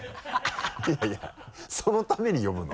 いやいやそのために呼ぶの？